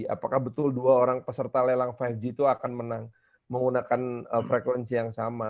apakah betul dua orang peserta lelang lima g itu akan menang menggunakan frekuensi yang sama